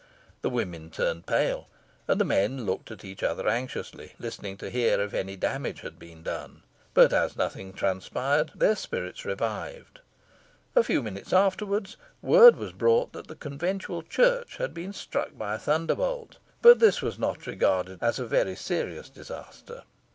The women turned pale, and the men looked at each other anxiously, listening to hear if any damage had been done. But, as nothing transpired, their spirits revived. A few minutes afterwards word was brought that the Conventual Church had been struck by a thunderbolt, but this was not regarded as a very serious disaster.